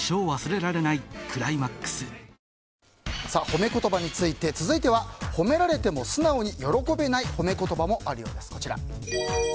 褒め言葉について、続いては褒められても素直に喜べない褒め言葉もあるようです。